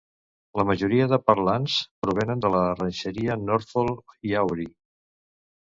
La majoria de parlants provenen de la Ranxeria Northfolk i Auberry.